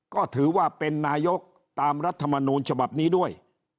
ก็ถือว่าเป็นนายกตามรัฐมนูลฉบับนี้ด้วย